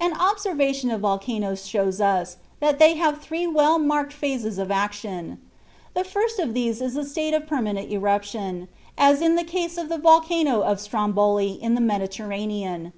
An observation of volcanoes shows us that they have three well marked phases of action. The first of these is the state of permanent eruption, as in case of the volcano of Stromboli in the Mediterranean.